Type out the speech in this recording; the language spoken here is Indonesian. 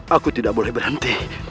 aku tidak boleh berhenti